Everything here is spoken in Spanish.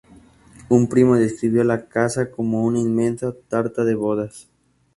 Un primo describió la casa como "una inmensa tarta de bodas".